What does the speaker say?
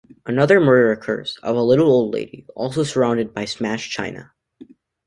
Another murder occurs, of a little old lady, also surrounded by smashed china.